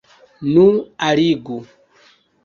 Nu, alligu!